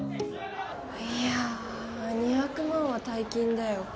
いやあ２００万は大金だよ。